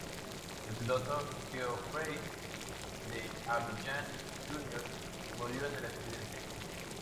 El piloto, Geoffrey de Havilland Jr., murió en el accidente.